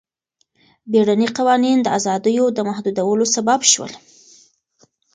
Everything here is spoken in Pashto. بیړني قوانین د ازادیو د محدودولو سبب شول.